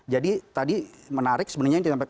jadi tadi menarik sebenarnya yang ditampilkan pak